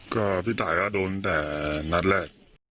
ก็พี่ตายก็โดนแต่นัดแรก